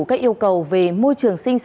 các yêu cầu về môi trường sinh sinh